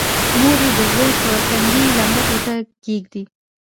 مور یې د زوی په تندي لمده ټوټه ږدي